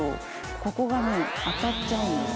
ここがね当たっちゃうんです。